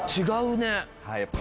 違うね。